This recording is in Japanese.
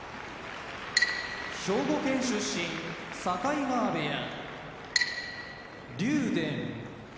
兵庫県出身境川部屋竜電山梨県出身